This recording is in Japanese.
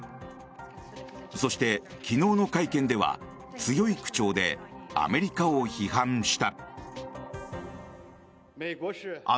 そして昨日の会見では強い口調でアメリカを批判した。